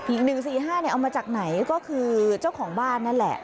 ๑๔๕เอามาจากไหนก็คือเจ้าของบ้านนั่นแหละ